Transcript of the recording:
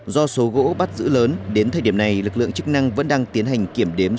do số gỗ bắt giữ lớn đến thời điểm này lực lượng chức năng vẫn đang tiến hành kiểm đếm